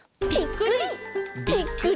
「ぴっくり！